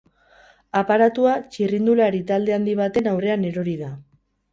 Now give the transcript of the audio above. Aparatua txirrindulari talde handi baten aurrean erori da.